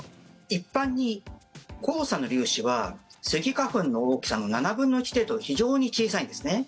一般に黄砂の粒子はスギ花粉の大きさの７分の１程度と非常に小さいんですね。